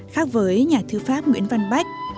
khác với nhà thư pháp nguyễn văn bách